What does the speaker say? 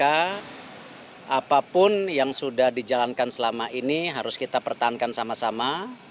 apapun yang sudah dijalankan selama ini harus kita pertahankan sama sama